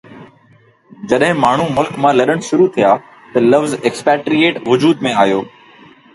جڏهن ماڻهو ملڪ مان لڏڻ شروع ٿيا ته لفظ Expatriate وجود ۾ آيو